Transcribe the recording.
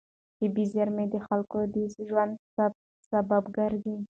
طبیعي زېرمې د خلکو د ژوند د ثبات سبب ګرځي.